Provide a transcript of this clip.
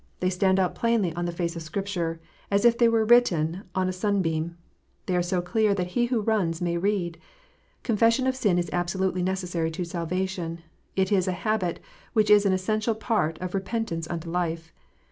They stand out plainly on the face of Scripture, as if they were written with a sun beam : they are so clear that he who runs may read. Confes sion of sin is absolutely necessary to salvation : it is a habit which is an essential part of repentance unto life.